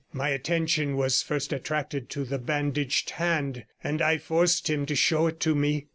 My attention was first attracted to the bandaged hand, and I forced him to show it to me.